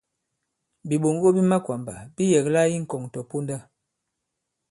Bìɓoŋgo bi makwàmbà bi yɛ̀kla i ŋkɔ̀ŋ tɔ̀ponda.